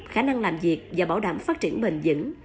khả năng làm việc và bảo đảm phát triển bền dững